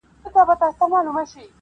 تر قیامته بل ته نه سوای خلاصېدلای -